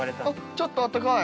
◆ちょっとあったかい。